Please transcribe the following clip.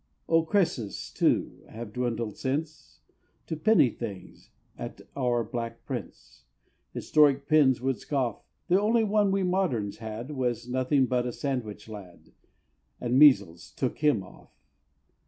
Our Cressys, too, have dwindled since To penny things at our Black Prince Historic pens would scoff: The only one we moderns had Was nothing but a Sandwich lad, And measles took him off!